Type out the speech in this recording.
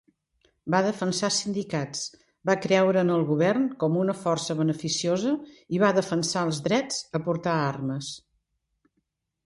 Va defensar sindicats, va creure en el govern com una força beneficiosa i va defensar els drets a portar armes.